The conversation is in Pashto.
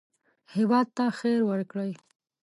هېواد ته خیر ورکړئ